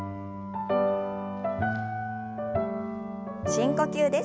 深呼吸です。